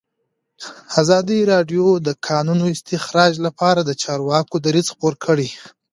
ازادي راډیو د د کانونو استخراج لپاره د چارواکو دریځ خپور کړی.